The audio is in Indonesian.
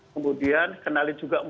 kemudian kenalin juga modusnya